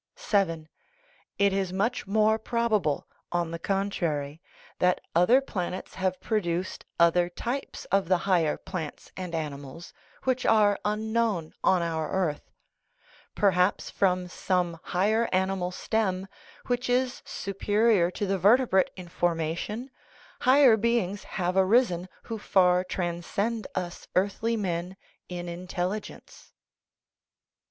VII. It is much more probable, on the contrary, that other planets have produced other types of the higher plants and animals, which are unknown on our earth ; perhaps from some higher animal stem, which is su perior to the vertebrate in formation, higher beings have arisen who far transcend us earthly men in intelligence.